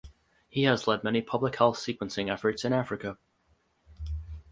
He has led many public health sequencing efforts in Africa.